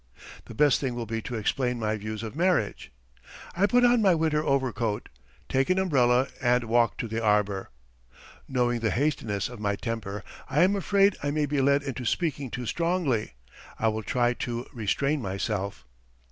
The best thing will be to explain my views of marriage. I put on my winter overcoat, take an umbrella, and walk to the arbour. Knowing the hastiness of my temper, I am afraid I may be led into speaking too strongly; I will try to restrain myself.